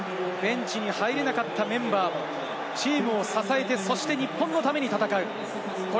ベンチに入れなかったメンバー、チームを支えて、日本のために戦う。